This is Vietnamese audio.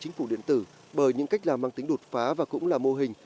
chính phủ điện tử bởi những cách làm mang tính đột phá và cũng là mô hình